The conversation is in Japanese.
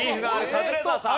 カズレーザーさん！